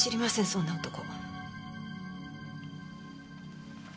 そんな男。